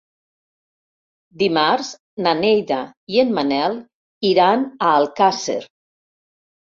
Dimarts na Neida i en Manel iran a Alcàsser.